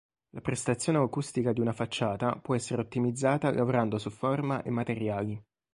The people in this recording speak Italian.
La prestazione acustica di una facciata può essere ottimizzata lavorando su forma e materiali.